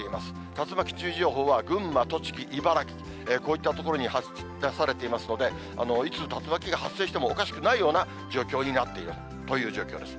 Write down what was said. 竜巻注意情報は群馬、栃木、茨城、こういった所に出されていますので、いつ竜巻が発生してもおかしくないような状況になっているという状況です。